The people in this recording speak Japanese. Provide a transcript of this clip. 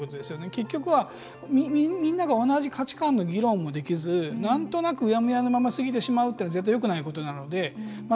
結局は、みんなが同じ価値観の議論もできずなんとなく、うやむやのまま過ぎてしまうってのは絶対よくないことなので。